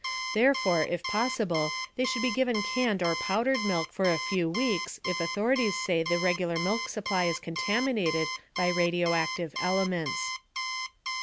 Therefore, if possible, they should be given canned or powdered milk for a few weeks if authorities say the regular milk supply is contaminated by radioactive elements.